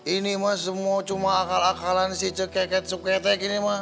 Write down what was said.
ini mah semua cuma akal akalan si cekeket suketek ini mah